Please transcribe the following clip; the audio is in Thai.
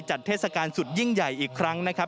เทศกาลสุดยิ่งใหญ่อีกครั้งนะครับ